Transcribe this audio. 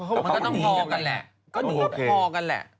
มันก็ต้องพอกันแหละ